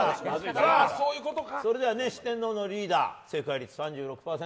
さあ、それでは四天王のリーダー正解率３６％